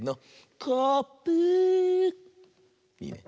いいね。